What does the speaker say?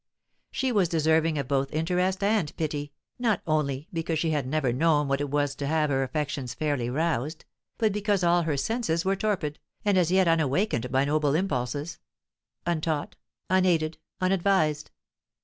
She was deserving of both interest and pity, not only because she had never known what it was to have her affections fairly roused, but because all her senses were torpid, and as yet unawakened by noble impulses untaught, unaided, unadvised.